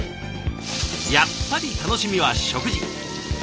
やっぱり楽しみは食事。